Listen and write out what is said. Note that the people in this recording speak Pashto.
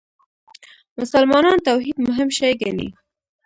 مسلمانان توحید مهم شی ګڼي.